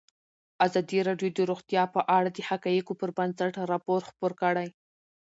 ازادي راډیو د روغتیا په اړه د حقایقو پر بنسټ راپور خپور کړی.